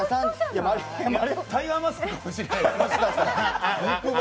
タイガーマスクかもしれないですね。